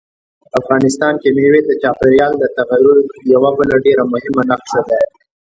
افغانستان کې مېوې د چاپېریال د تغیر یوه بله ډېره مهمه نښه ده.